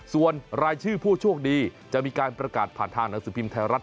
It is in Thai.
ส่วนรายชื่อผู้โชคดีจะมีการประกาศผ่านทางหนังสือพิมพ์ไทยรัฐ